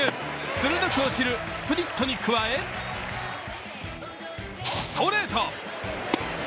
鋭く落ちるスプリットに加え、ストレート。